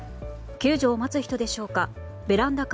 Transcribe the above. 救助を待つ人でしょうか